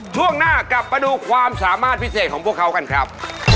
ช่วงหน้ากลับมาดูความสามารถพิเศษของพวกเขากันครับ